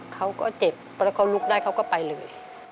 เขาก็เจ็บเพราะเขาลุกได้เขาก็ไปเลย